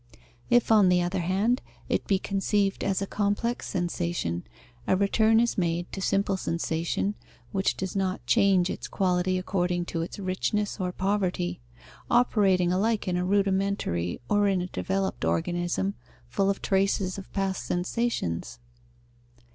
If, on the other hand, it be conceived as a complex sensation, a return is made to simple sensation, which does not change its quality according to its richness or poverty, operating alike in a rudimentary or in a developed organism full of traces of past sensations.